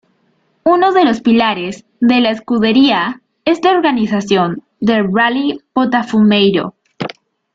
Unos de los pilares de la Escudería es la organización del Rally Botafumeiro.